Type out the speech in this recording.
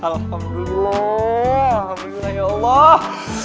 alhamdulillah ya allah